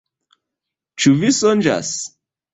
Ĉu vi sonĝas?